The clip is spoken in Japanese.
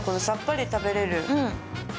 さっぱり食べれる。